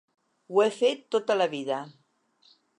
Ho he fet tot la vida.